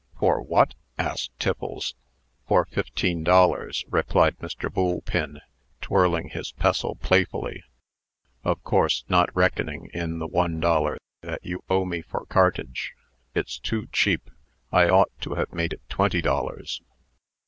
"For what?" asked Tiffles. "For fifteen dollars," replied Mr. Boolpin, twirling his pestle playfully. "Of course, not reckoning in the one dollar that you owe me for cartage. It's too cheap. I ought to have made it twenty dollars."